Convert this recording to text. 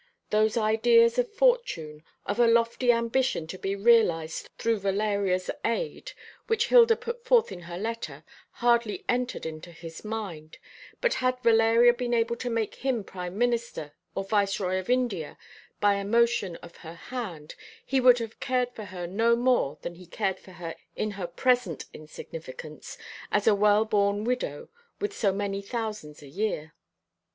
Those ideas of fortune, of a lofty ambition to be realised through Valeria's aid, which Hilda put forth in her letter, hardly entered into his mind; but had Valeria been able to make him Prime Minister, or Viceroy of India, by a motion of her hand, he would have cared for her no more than he cared for her in her present insignificance, as a well born widow with so many thousands a year.